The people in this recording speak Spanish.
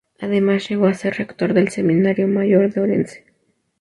Además llegó a ser rector del Seminario Mayor de Orense.